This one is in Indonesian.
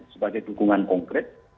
sebagai dukungan konkret